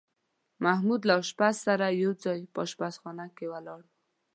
محمود له اشپز سره یو ځای په اشپزخانه کې ولاړ و.